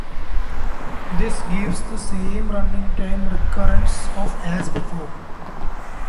This gives the same running time recurrence of as before.